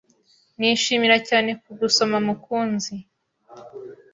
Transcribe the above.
Nishimira cyane kugusoma mukunzi